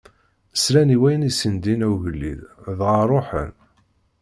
Slan i wayen i sen-d-inna ugellid dɣa ṛuḥen.